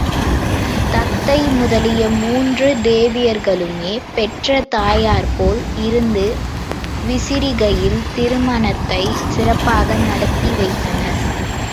தத்தை முதலிய மூன்று தேவியர்களுமே பெற்ற தாயார்போல இருந்து விரிசிகையின் திருமணத்தைச் சிறப்பாக நடத்தி வைத்தனர்.